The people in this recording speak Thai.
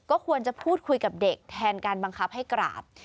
ก็ควรจะพูดคุยกับเด็กแทนการบังคับให้กราบ